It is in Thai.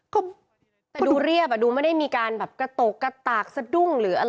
กูดูเรียบดูไม่ได้มีการกระตุกกระตากซะดุ้ง